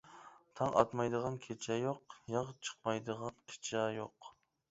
تاڭ ئاتمايدىغان كېچە يوق، ياغ چىقمايدىغان قىچا يوق.